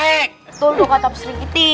betul dong kata pak serikiti